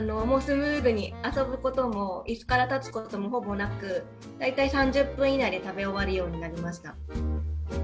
もうスムーズに遊ぶこともいすから立つこともほぼなく大体３０分以内で食べ終わるようになりました。